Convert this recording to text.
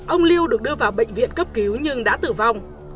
ông lưu được đưa vào bệnh viện cấp cứu nhưng đã tử vong